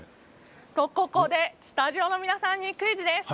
ここでスタジオの皆さんにクイズです。